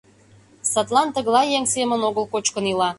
Садлан тыглай еҥ семын огыл кочкын ила.